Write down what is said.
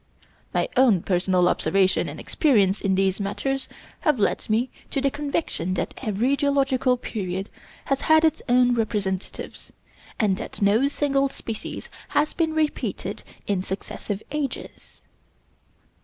My own personal observation and experience in these matters have led me to the conviction that every geological period has had its own representatives, and that no single species has been repeated in successive ages.